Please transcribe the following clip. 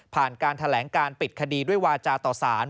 การแถลงการปิดคดีด้วยวาจาต่อสาร